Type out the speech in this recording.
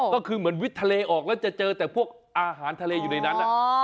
ก็คือเหมือนวิทย์ทะเลออกแล้วจะเจอแต่พวกอาหารทะเลอยู่ในนั้น